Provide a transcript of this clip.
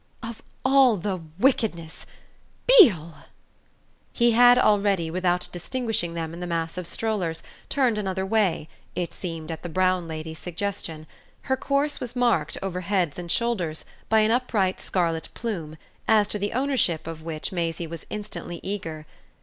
"Of all the wickedness BEALE!" He had already, without distinguishing them in the mass of strollers, turned another way it seemed at the brown lady's suggestion. Her course was marked, over heads and shoulders, by an upright scarlet plume, as to the ownership of which Maisie was instantly eager.